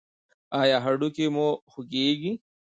ایا هډوکي مو خوږیږي؟